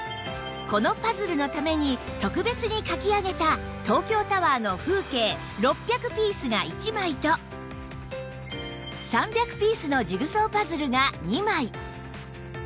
このパズルのために特別に描き上げた東京タワーの風景６００ピースが１枚と３００ピースのジグソーパズルが２枚